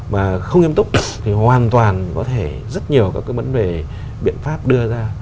mà không nghiêm túc thì hoàn toàn có thể rất nhiều các cái vấn đề biện pháp đưa ra